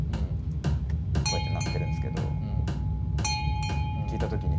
こうやって鳴ってるんですけど。